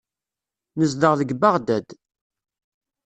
Nezdeɣ deg Beɣdad.